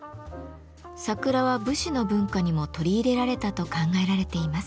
桜は武士の文化にも取り入れられたと考えられています。